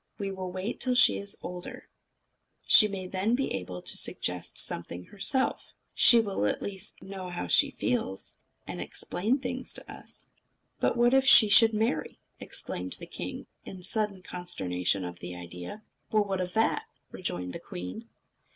"We will wait till she is older. She may then be able to suggest something herself. She will know at least how she feels, and explain things to us." "But what if she should marry?" exclaimed the king, in sudden consternation at the idea. "Well, what of that?" rejoined the queen.